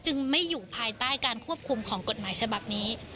ไม่อยู่ภายใต้การควบคุมของกฎหมายฉบับนี้